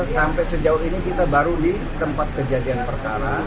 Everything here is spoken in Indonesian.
sampai sejauh ini kita baru di tempat kejadian perkara